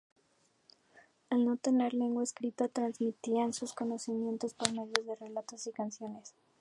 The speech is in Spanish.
Al no tener lengua escrita, transmitían su conocimiento por medio de relatos y canciones.